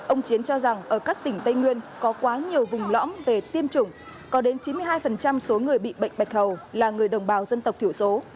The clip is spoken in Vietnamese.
ông chiến cho rằng ở các tỉnh tây nguyên có quá nhiều vùng lõm về tiêm chủng có đến chín mươi hai số người bị bệnh bạch hầu là người đồng bào dân tộc thiểu số